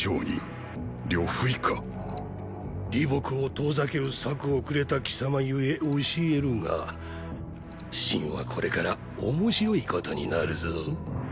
李牧を遠ざける策をくれた貴様故教えるが秦はこれから面白いことになるぞ。